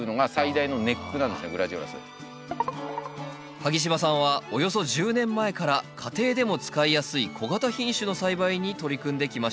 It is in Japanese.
萩島さんはおよそ１０年前から家庭でも使いやすい小型品種の栽培に取り組んできました。